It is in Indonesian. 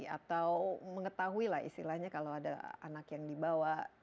atau mengetahui lah istilahnya kalau ada anak yang dibawa